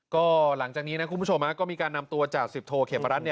ก็หลังจากนี้นะคุณผู้ชมก็มีการนำตัวจากสิบโทเขมรัฐ